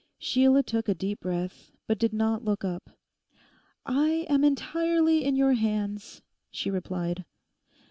Sheila took a deep breath, but did not look up. 'I am entirely in your hands,' she replied.